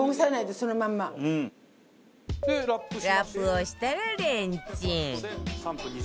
ラップをしたらレンチン